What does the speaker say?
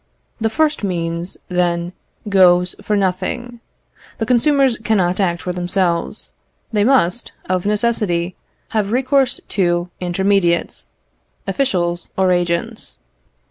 The first means, then, goes for nothing. The consumers cannot act for themselves. They must, of necessity, have recourse to intermediates, officials or agents.